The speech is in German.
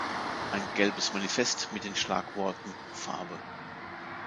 Ein "gelbes Manifest" mit den Schlagworten "Farbe.